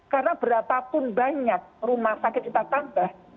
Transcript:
karena berapapun banyak rumah sakit kita tambah